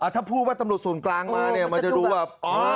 ถ้าพูดว่าตำรวจส่วนกลางมาเนี่ยมันจะดูแบบ